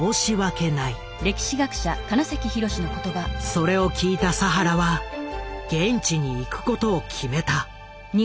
それを聞いた佐原は現地に行くことを決めた。